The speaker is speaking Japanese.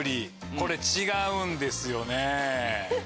これ違うんですよね。